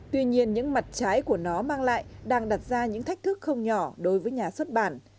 tuy nhiên những mặt trái của nó mang lại đang đặt ra những thách thức không nhỏ đối với nhà xuất bản